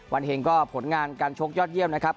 เห็งก็ผลงานการชกยอดเยี่ยมนะครับ